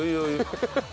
ハハハハ。